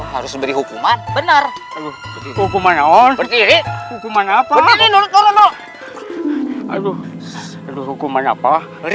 harus beri hukuman benar hukuman hukuman apa